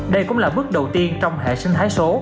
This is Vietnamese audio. đây cũng là bước đầu tiên trong hệ sinh thái số